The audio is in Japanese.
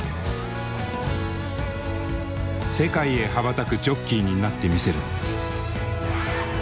「世界へ羽ばたくジョッキーになってみせる」。